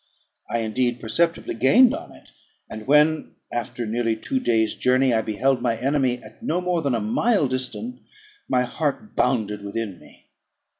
I indeed perceptibly gained on it; and when, after nearly two days' journey, I beheld my enemy at no more than a mile distant, my heart bounded within me.